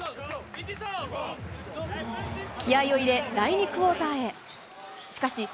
気合いを入れ、第２クオーターへ。